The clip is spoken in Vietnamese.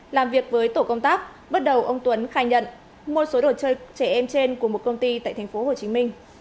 làm việc với tổ công tác bắt đầu ông tuấn khai nhận một số đồ chơi trẻ em trên của một công ty tại tp hcm